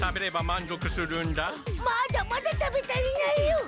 まだまだ食べ足りないよ。